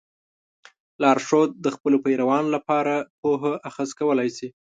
لارښود د خپلو پیروانو لپاره پوهه اخذ کولی شي.